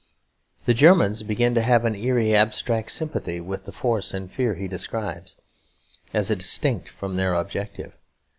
The German begins to have an eerie abstract sympathy with the force and fear he describes, as distinct from their objective.